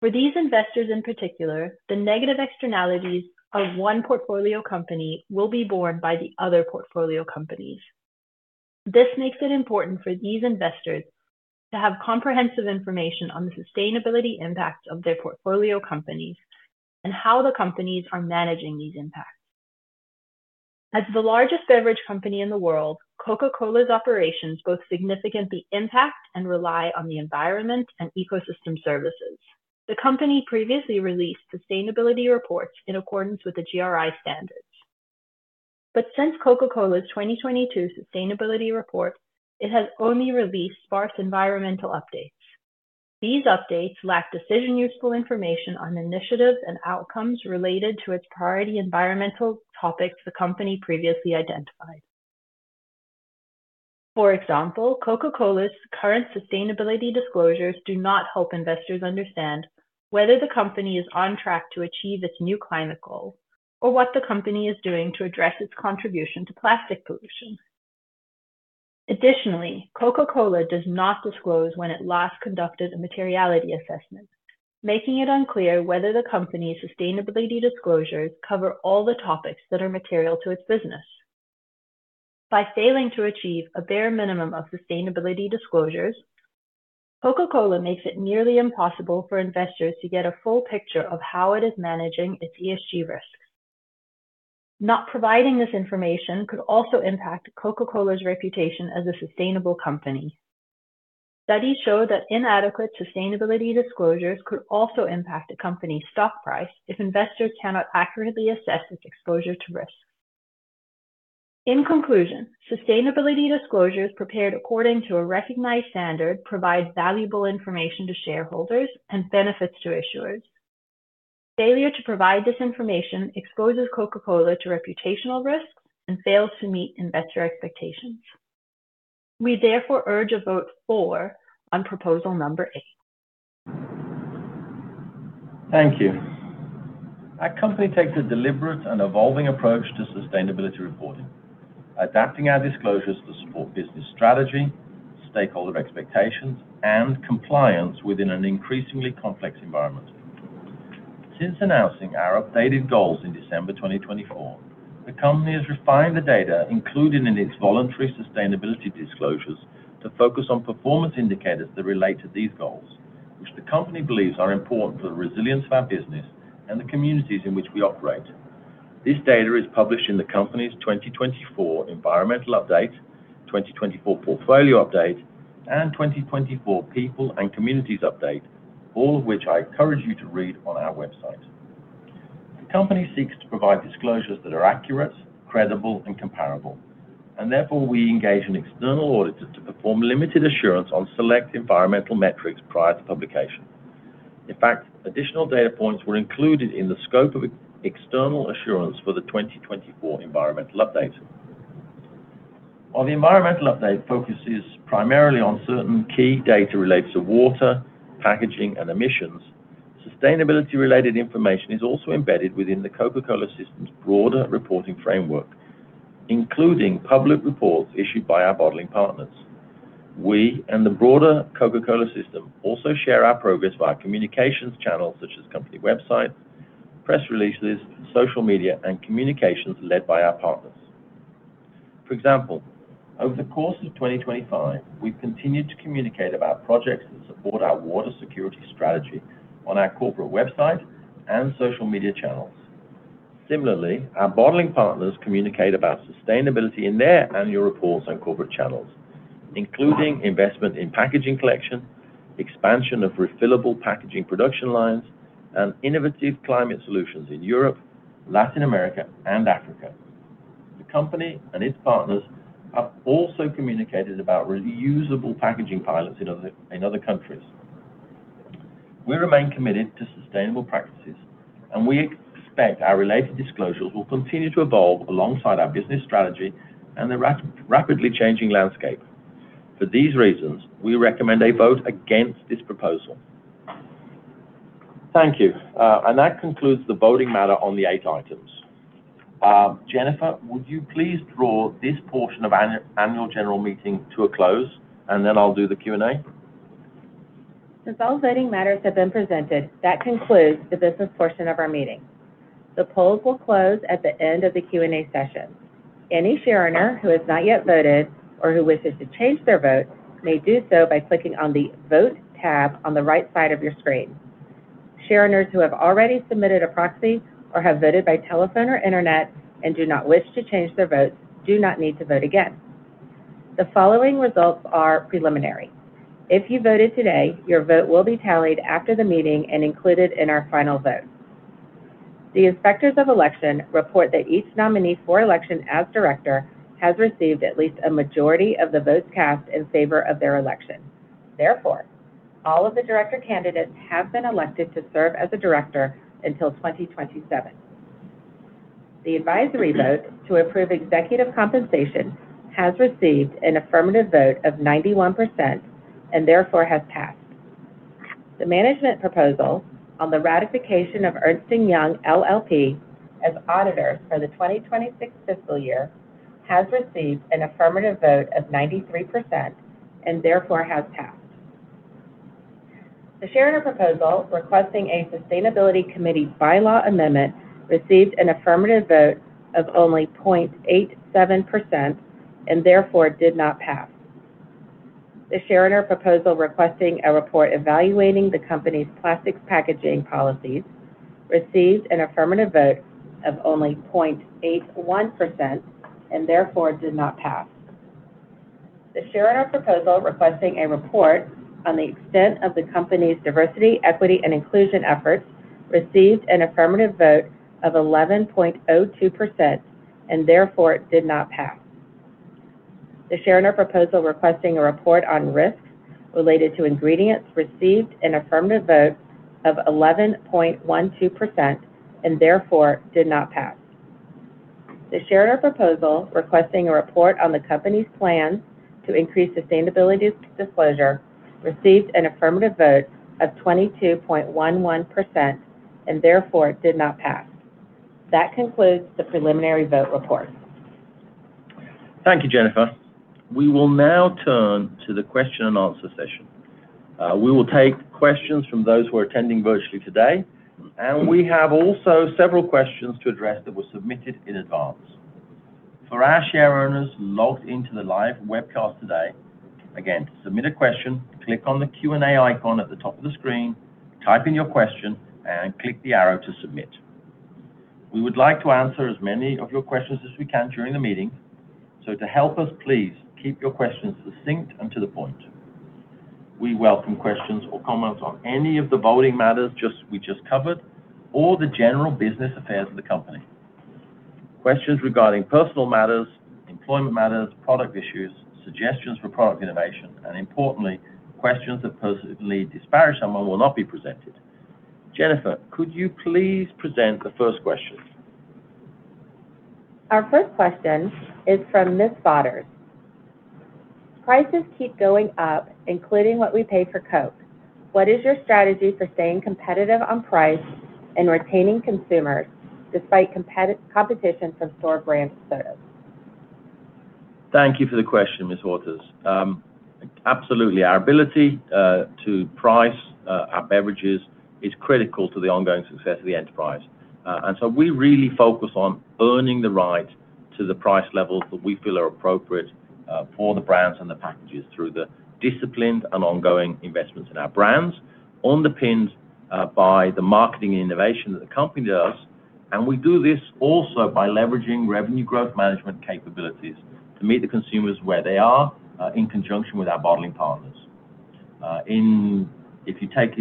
For these investors, in particular, the negative externalities of one portfolio company will be borne by the other portfolio companies. This makes it important for these investors to have comprehensive information on the sustainability impact of their portfolio companies and how the companies are managing these impacts. As the largest beverage company in the world, Coca-Cola's operations both significantly impact and rely on the environment and ecosystem services. The company previously released sustainability reports in accordance with the GRI standards. Since Coca-Cola's 2022 sustainability report, it has only released sparse environmental updates. These updates lack decision useful information on initiatives and outcomes related to its priority environmental topics the company previously identified. For example, Coca-Cola's current sustainability disclosures do not help investors understand whether the company is on track to achieve its new climate goal or what the company is doing to address its contribution to plastic pollution. Additionally, Coca-Cola does not disclose when it last conducted a materiality assessment, making it unclear whether the company's sustainability disclosures cover all the topics that are material to its business. By failing to achieve a bare minimum of sustainability disclosures, Coca-Cola makes it nearly impossible for investors to get a full picture of how it is managing its ESG risks. Not providing this information could also impact Coca-Cola's reputation as a sustainable company. Studies show that inadequate sustainability disclosures could also impact a company's stock price if investors cannot accurately assess its exposure to risk. In conclusion, sustainability disclosures prepared according to a recognized standard provide valuable information to shareholders and benefits to issuers. Failure to provide this information exposes Coca-Cola to reputational risks and fails to meet investor expectations. We therefore urge a vote for on proposal number eight. Thank you. Our company takes a deliberate and evolving approach to sustainability reporting, adapting our disclosures to support business strategy, stakeholder expectations, and compliance within an increasingly complex environment. Since announcing our updated goals in December 2024, the company has refined the data included in its voluntary sustainability disclosures to focus on performance indicators that relate to these goals, which the company believes are important for the resilience of our business and the communities in which we operate. This data is published in the company's 2024 environmental update, 2024 portfolio update, and 2024 people and communities update, all of which I encourage you to read on our website. The company seeks to provide disclosures that are accurate, credible, and comparable, and therefore, we engage an external auditor to perform limited assurance on select environmental metrics prior to publication. In fact, additional data points were included in the scope of external assurance for the 2024 environmental update. While the environmental update focuses primarily on certain key data related to water, packaging, and emissions, sustainability-related information is also embedded within the Coca-Cola system's broader reporting framework, including public reports issued by our bottling partners. We and the broader Coca-Cola system also share our progress via communications channels such as company websites, press releases, social media, and communications led by our partners. For example, over the course of 2025, we've continued to communicate about projects that support our water security strategy on our corporate website and social media channels. Similarly, our bottling partners communicate about sustainability in their annual reports on corporate channels, including investment in packaging collection, expansion of refillable packaging production lines, and innovative climate solutions in Europe, Latin America, and Africa. The company and its partners have also communicated about reusable packaging pilots in other countries. We remain committed to sustainable practices, and we expect our related disclosures will continue to evolve alongside our business strategy and the rapidly changing landscape. For these reasons, we recommend a vote against this proposal. Thank you. And that concludes the voting matter on the eight items. Jennifer, would you please draw this portion of annual general meeting to a close, and then I'll do the Q&A? Since all voting matters have been presented, that concludes the business portion of our meeting. The polls will close at the end of the Q&A session. Any shareholder who has not yet voted or who wishes to change their vote may do so by clicking on the Vote tab on the right side of your screen. Shareholders who have already submitted a proxy or have voted by telephone or internet and do not wish to change their vote do not need to vote again. The following results are preliminary. If you voted today, your vote will be tallied after the meeting and included in our final vote. The inspectors of election report that each nominee for election as director has received at least a majority of the votes cast in favor of their election. Therefore, all of the director candidates have been elected to serve as a director until 2027. The advisory vote to approve executive compensation has received an affirmative vote of 91% and therefore has passed. The management proposal on the ratification of Ernst & Young LLP as auditor for the 2026 fiscal year has received an affirmative vote of 93% and therefore has passed. The shareholder proposal requesting a sustainability committee bylaw amendment received an affirmative vote of only 0.87% and therefore did not pass. The shareholder proposal requesting a report evaluating the company's plastics packaging policies received an affirmative vote of only 0.81% and therefore did not pass. The shareholder proposal requesting a report on the extent of the company's Diversity, Equity, and Inclusion efforts received an affirmative vote of 11.02% and therefore did not pass. The shareholder proposal requesting a report on risks related to ingredients received an affirmative vote of 11.12% and therefore did not pass. The shareholder proposal requesting a report on the company's plans to increase sustainability disclosure received an affirmative vote of 22.11% and therefore did not pass. That concludes the preliminary vote report. Thank you, Jennifer. We will now turn to the question and answer session. We will take questions from those who are attending virtually today, and we have also several questions to address that were submitted in advance. For our shareowners logged into the live webcast today, again, to submit a question, click on the Q&A icon at the top of the screen, type in your question, and click the arrow to submit. We would like to answer as many of your questions as we can during the meeting. To help us, please keep your questions succinct and to the point. We welcome questions or comments on any of the voting matters we just covered or the general business affairs of the company. Questions regarding personal matters, employment matters, product issues, suggestions for product innovation, and importantly, questions that possibly disparage someone will not be presented. Jennifer, could you please present the first question? Our first question is from Ms. Waters. Prices keep going up, including what we pay for Coke. What is your strategy for staying competitive on price and retaining consumers despite competition from store brands, sir? Thank you for the question, Ms. Waters. Absolutely, our ability to price our beverages is critical to the ongoing success of the enterprise. We really focus on earning the right to the price levels that we feel are appropriate for the brands and the packages through the disciplined and ongoing investments in our brands, underpinned by the marketing and innovation that the company does. We do this also by leveraging revenue growth management capabilities to meet the consumers where they are in conjunction with our bottling partners. If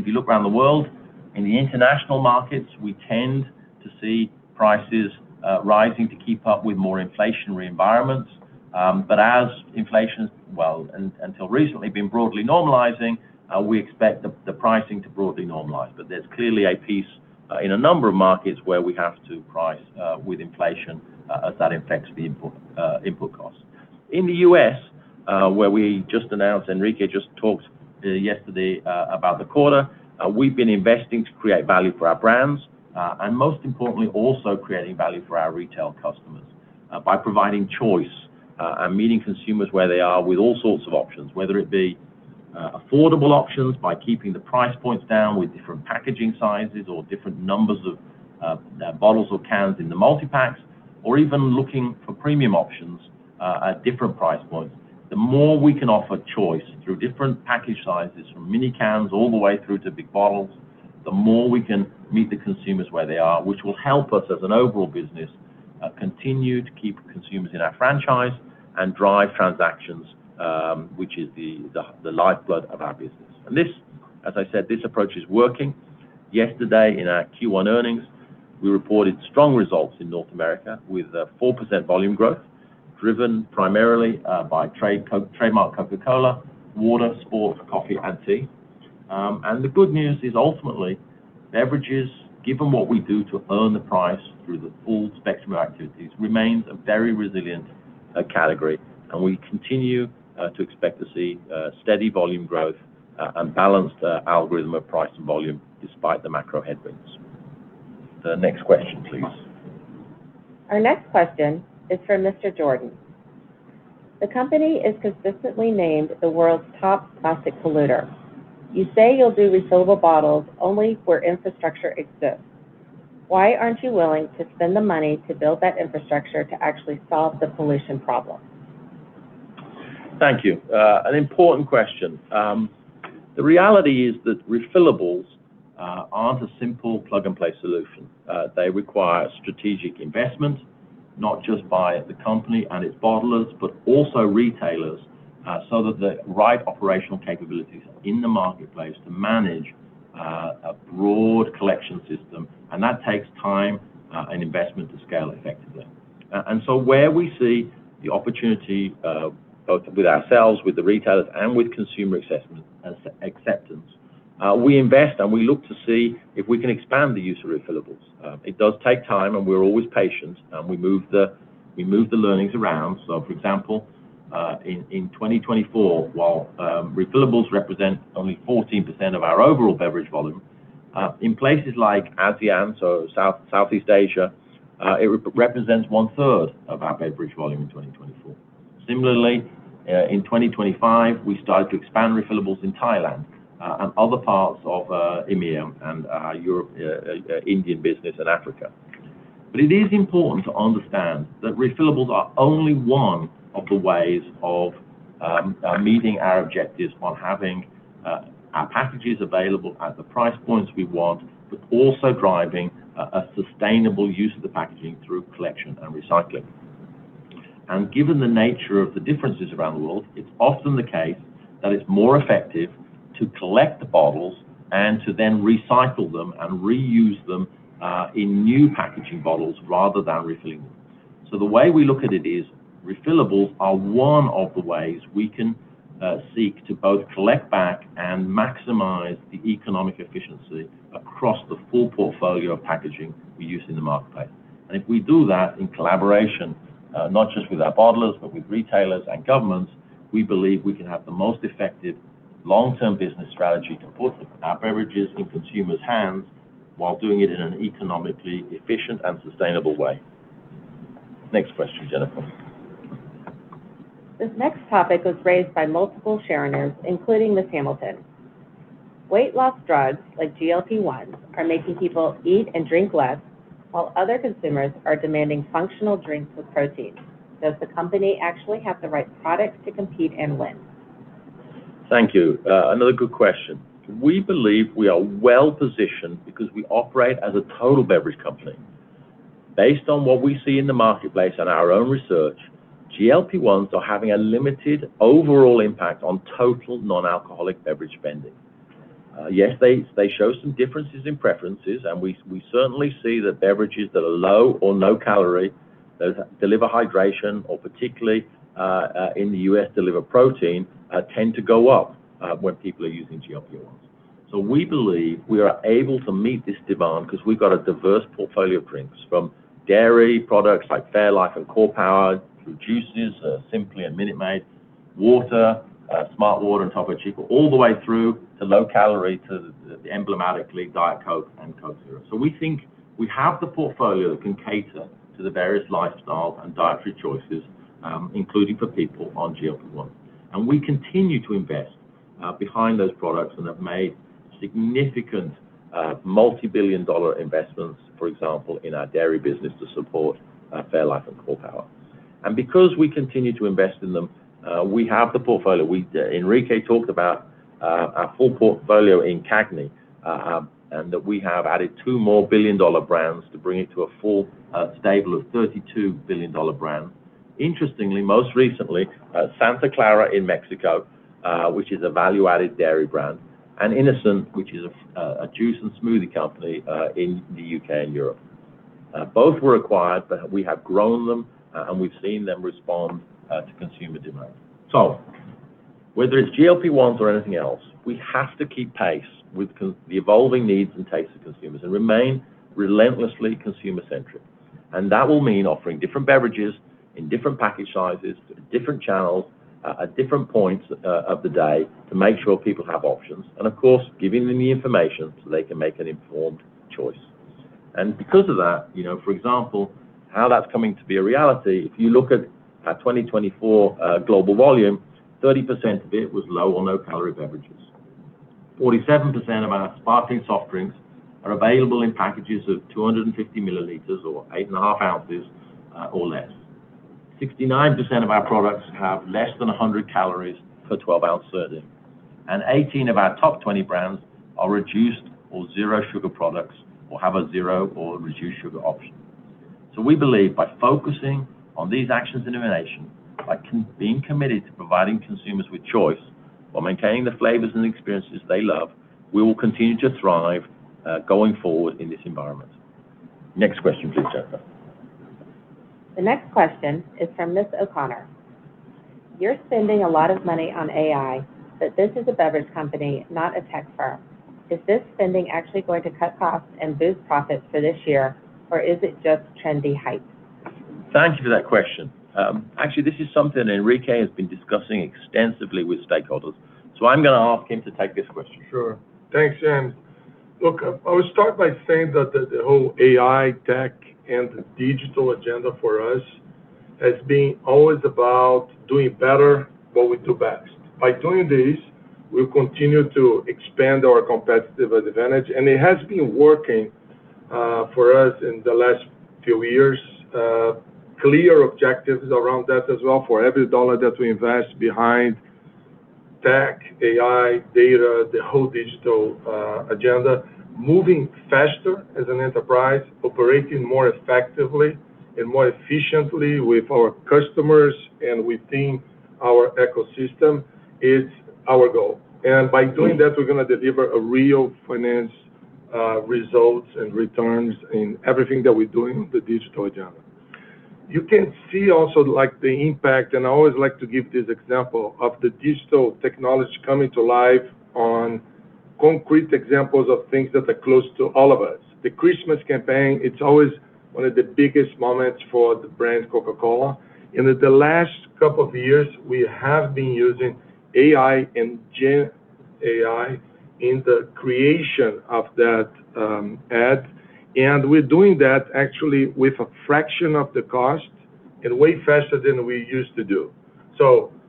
you look around the world, in the international markets, we tend to see prices rising to keep up with more inflationary environments. As inflation, well, until recently, been broadly normalizing, we expect the pricing to broadly normalize. There's clearly a piece in a number of markets where we have to price with inflation as that impacts the import input costs. In the U.S., where we just announced, Henrique just talked yesterday about the quarter, we've been investing to create value for our brands, and most importantly, also creating value for our retail customers, by providing choice, and meeting consumers where they are with all sorts of options, whether it be affordable options by keeping the price points down with different packaging sizes or different numbers of bottles or cans in the multi-packs, or even looking for premium options at different price points. The more we can offer choice through different package sizes, from mini cans all the way through to big bottles, the more we can meet the consumers where they are, which will help us as an overall business continue to keep consumers in our franchise and drive transactions, which is the lifeblood of our business. This, as I said, this approach is working. Yesterday in our Q1 earnings, we reported strong results in North America with 4% volume growth, driven primarily by Trademark Coca-Cola, water, sport, coffee, and tea. The good news is ultimately, beverages, given what we do to earn the price through the full spectrum of activities, remains a very resilient category, and we continue to expect to see steady volume growth, and balanced algorithm of price and volume despite the macro headwinds. Next question, please. Our next question is from Mr. Jordan. The company is consistently named the world's top plastic polluter. You say you'll do refillable bottles only where infrastructure exists. Why aren't you willing to spend the money to build that infrastructure to actually solve the pollution problem? Thank you. An important question. The reality is that refillables aren't a simple plug-and-play solution. They require strategic investment, not just by the company and its bottlers, but also retailers, so that the right operational capabilities are in the marketplace to manage a broad collection system, and that takes time and investment to scale effectively. Where we see the opportunity, both with ourselves, with the retailers, and with consumer acceptance, we invest, and we look to see if we can expand the use of refillables. It does take time, and we're always patient, and we move the learnings around. For example, in 2024, while refillables represent only 14% of our overall beverage volume, in places like ASEAN, South-Southeast Asia, it represents 1/3 of our beverage volume in 2024. Similarly, in 2025, we started to expand refillables in Thailand and other parts of EMEA and Europe, Indian business and Africa. It is important to understand that refillables are only one of the ways of meeting our objectives while having our packages available at the price points we want, but also driving a sustainable use of the packaging through collection and recycling. Given the nature of the differences around the world, it's often the case that it's more effective to collect the bottles and to then recycle them and reuse them in new packaging bottles rather than refilling them. The way we look at it is refillables are one of the ways we can seek to both collect back and maximize the economic efficiency across the full portfolio of packaging we use in the marketplace. If we do that in collaboration, not just with our bottlers, but with retailers and governments, we believe we can have the most effective long-term business strategy to put our beverages in consumers' hands while doing it in an economically efficient and sustainable way. Next question, Jennifer. This next topic was raised by multiple sharers, including Ms. Hamilton. Weight loss drugs like GLP-1s are making people eat and drink less, while other consumers are demanding functional drinks with protein. Does the company actually have the right product to compete and win? Thank you. Another good question. We believe we are well-positioned because we operate as a total beverage company. Based on what we see in the marketplace and our own research, GLP-1s are having a limited overall impact on total non-alcoholic beverage spending. Yes, they show some differences in preferences, and we certainly see that beverages that are low or no calorie, those that deliver hydration or particularly in the U.S., deliver protein, tend to go up when people are using GLP-1s. We believe we are able to meet this demand because we've got a diverse portfolio of drinks, from dairy products like Fairlife and Core Power, through juices, Simply and Minute Maid, water, Smartwater and Topo Chico, all the way through to low calorie to the emblematically Diet Coke and Coke Zero. We think we have the portfolio that can cater to the various lifestyles and dietary choices, including for people on GLP-1. We continue to invest behind those products and have made significant multi-billion dollar investments, for example, in our dairy business to support Fairlife and Core Power. Because we continue to invest in them, we have the portfolio. Henrique talked about our full portfolio in CAGNY, and that we have added two more billion-dollar brands to bring it to a full stable of 32 billion-dollar brands. Interestingly, most recently, Santa Clara in Mexico, which is a value-added dairy brand, and Innocent, which is a juice and smoothie company in the U.K. and Europe. Both were acquired, but we have grown them, and we've seen them respond to consumer demand. Whether it's GLP-1s or anything else, we have to keep pace with the evolving needs and tastes of consumers and remain relentlessly consumer-centric. That will mean offering different beverages in different package sizes to different channels at different points of the day to make sure people have options, and of course, giving them the information so they can make an informed choice. Because of that, you know, for example, how that's coming to be a reality, if you look at our 2024 global volume, 30% of it was low or no-calorie beverages. 47% of our sparkling soft drinks are available in packages of 250 milliliters or 8.5 ounces or less. 69% of our products have less than 100 calories per 12-ounce serving. 18 of our top 20 brands are reduced or zero sugar products or have a zero or reduced sugar option. We believe by focusing on these actions and innovation, by being committed to providing consumers with choice while maintaining the flavors and experiences they love, we will continue to thrive going forward in this environment. Next question, please, Jennifer. The next question is from Ms. O'Connor. You're spending a lot of money on AI, but this is a beverage company, not a tech firm. Is this spending actually going to cut costs and boost profits for this year, or is it just trendy hype? Thank you for that question. actually, this is something Henrique has been discussing extensively with stakeholders, so I'm gonna ask him to take this question. Thanks, Ian. I would start by saying that the whole AI tech and digital agenda for us has been always about doing better what we do best. By doing this, we continue to expand our competitive advantage, it has been working for us in the last few years. Clear objectives around that as well for every dollar that we invest behind tech, AI, data, the whole digital agenda. Moving faster as an enterprise, operating more effectively and more efficiently with our customers and within our ecosystem is our goal. By doing that, we're gonna deliver a real finance results and returns in everything that we're doing with the digital agenda. You can see also, like, the impact, and I always like to give this example, of the digital technology coming to life on concrete examples of things that are close to all of us. The Christmas campaign, it's always one of the biggest moments for the brand Coca-Cola. In the last couple of years, we have been using AI and GenAI in the creation of that ad. We're doing that actually with a fraction of the cost and way faster than we used to do.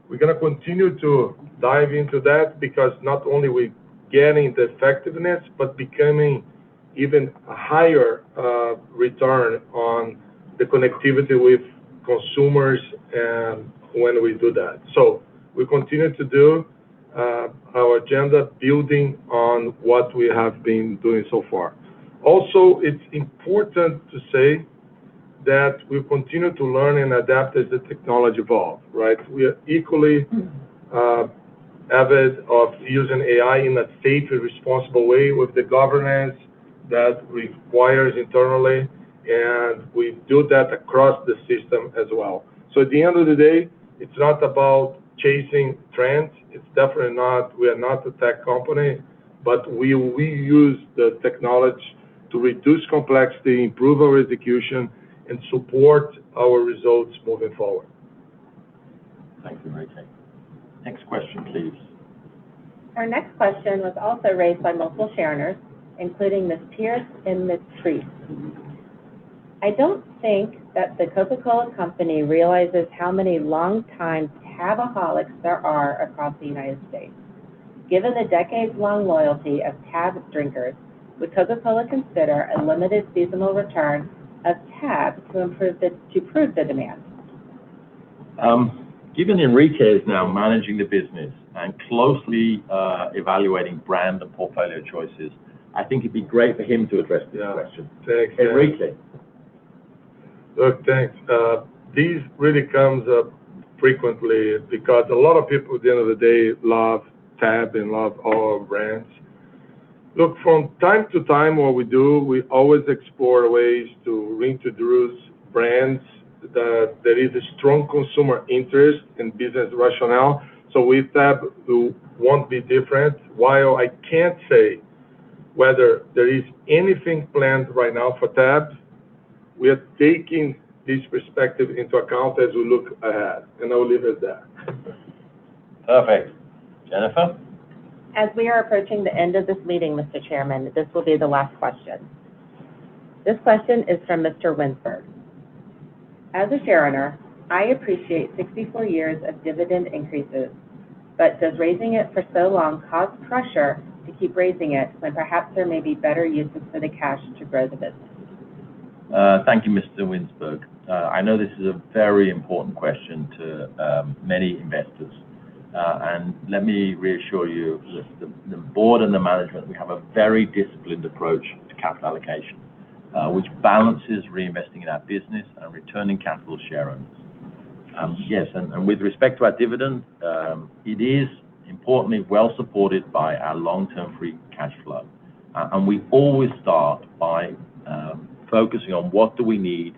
We're gonna continue to dive into that because not only we gaining the effectiveness, but becoming even a higher return on the connectivity with consumers when we do that. We continue to do our agenda building on what we have been doing so far. It's important to say that we continue to learn and adapt as the technology evolve, right? We are equally avid of using AI in a safe and responsible way with the governance that requires internally, and we do that across the system as well. At the end of the day, it's not about chasing trends. It's definitely not. We are not a tech company, but we use the technology to reduce complexity, improve our execution, and support our results moving forward. Thanks, Henrique. Next question, please. Our next question was also raised by multiple sharers, including Ms. Pierce and Ms. Priest. I don't think that The Coca-Cola Company realizes how many longtime TaBaholics there are across the United States. Given the decades-long loyalty of TaB drinkers, would Coca-Cola consider a limited seasonal return of TaB to prove the demand? Given Henrique is now managing the business and closely evaluating brand and portfolio choices, I think it'd be great for him to address this question. Yeah. Thanks, James. Henrique. thanks. these really comes up frequently because a lot of people, at the end of the day, love TaB and love all our brands. from time to time, what we do, we always explore ways to reintroduce brands that there is a strong consumer interest and business rationale. with TaB, won't be different. While I can't say whether there is anything planned right now for TaB, we are taking this perspective into account as we look ahead. I'll leave it there. Perfect. Jennifer? As we are approaching the end of this meeting, Mr. Chairman, this will be the last question. This question is from Mr. Winsberg. As a shareowner, I appreciate 64 years of dividend increases, but does raising it for so long cause pressure to keep raising it when perhaps there may be better uses for the cash to grow the business? Thank you, Mr. Winsberg. I know this is a very important question to many investors. Let me reassure you, look, the board and the management, we have a very disciplined approach to capital allocation, which balances reinvesting in our business and returning capital to shareowners. Yes, and with respect to our dividend, it is importantly well-supported by our long-term free cash flow. We always start by focusing on what do we need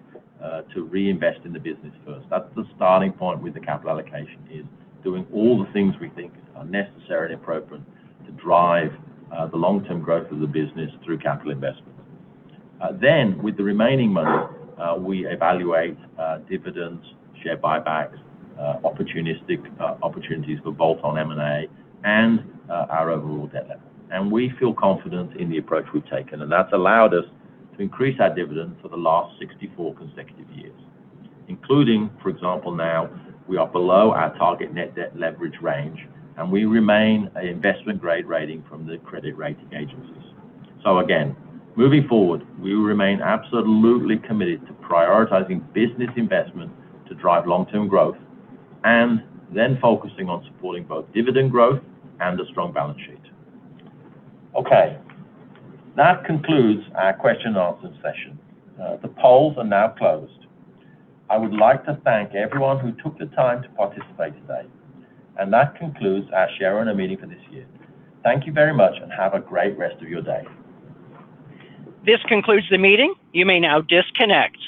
to reinvest in the business first. That's the starting point with the capital allocation is doing all the things we think are necessary and appropriate to drive the long-term growth of the business through capital investment. With the remaining money, we evaluate dividends, share buybacks, opportunistic opportunities for both on M&A and our overall debt level. We feel confident in the approach we've taken, and that's allowed us to increase our dividend for the last 64 consecutive years, including, for example, now we are below our target net debt leverage range, and we remain a investment-grade rating from the credit rating agencies. Again, moving forward, we will remain absolutely committed to prioritizing business investment to drive long-term growth and then focusing on supporting both dividend growth and a strong balance sheet. Okay. That concludes our question and answer session. The polls are now closed. I would like to thank everyone who took the time to participate today, and that concludes our shareowner meeting for this year. Thank you very much, and have a great rest of your day. This concludes the meeting. You may now disconnect.